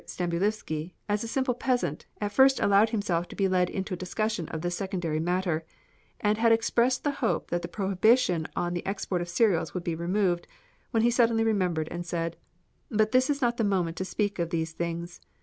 Stambulivski, as a simple peasant, at first allowed himself to be led into a discussion of this secondary matter, and had expressed the hope that the prohibition on the export of cereals would be removed, when he suddenly remembered, and said: "But this is not the moment to speak of these things.